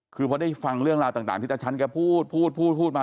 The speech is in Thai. คือพอได้ฟังเรื่องราวต่างที่ตาฉันแกพูดพูดพูดมา